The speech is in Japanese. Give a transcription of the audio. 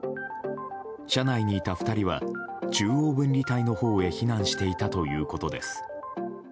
車内にいた２人は中央分離帯のほうへ避難していたということです。